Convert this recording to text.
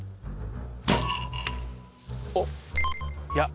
おっ。